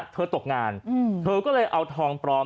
ตกงานเธอก็เลยเอาทองปลอม